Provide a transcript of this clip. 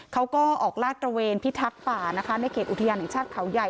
เขาก็ออกลาดตระเวนพิทักษ์ป่านะคะในเขตอุทยานแห่งชาติเขาใหญ่